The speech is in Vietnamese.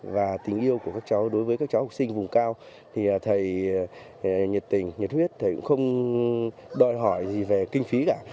và tình yêu của các cháu đối với các cháu học sinh vùng cao thì thầy nhiệt tình nhiệt huyết thầy cũng không đòi hỏi gì về kinh phí cả